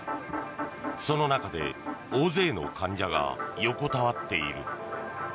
その中で大勢の患者が横たわっている。